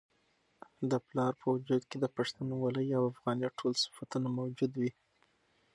د پلار په وجود کي د پښتونولۍ او افغانیت ټول صفتونه موجود وي.